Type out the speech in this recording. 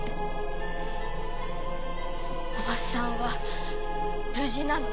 叔母さんは無事なの？